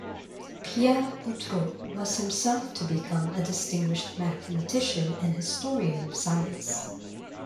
Pierre Boutroux was himself to become a distinguished mathematician and historian of science.